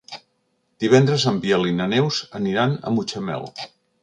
Divendres en Biel i na Neus aniran a Mutxamel.